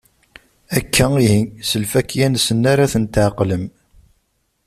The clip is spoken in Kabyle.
Akka ihi, s lfakya-nsen ara ten-tɛeqlem.